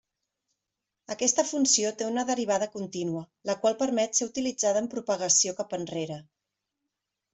Aquesta funció té una derivada contínua, la qual permet ser utilitzada en propagació cap enrere.